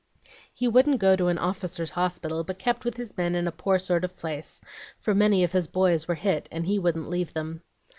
He wouldn't go to an officer's hospital, but kept with his men in a poor sort of place, for many of his boys were hit, and he wouldn't leave them.